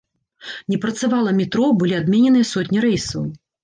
Не працавала метро, былі адмененыя сотні рэйсаў.